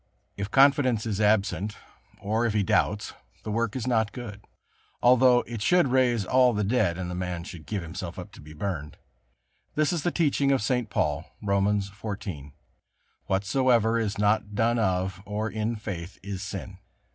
If confidence is absent, or if he doubts, the work is not good, although it should raise all the dead and the man should give himself to be burned. This is the teaching of St. Paul, Romans xiv: "Whatsoever is not done of or in faith is sin."